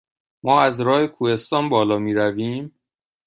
ما از راه کوهستان بالا می رویم؟